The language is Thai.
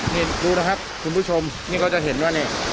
นี่ดูนะครับคุณผู้ชมนี่ก็จะเห็นว่านี่